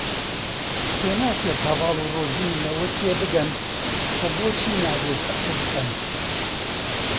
پێناچێت هەڤاڵ و ڕۆژین لەوە تێبگەن کە بۆچی نابێت ئەوە بکەن.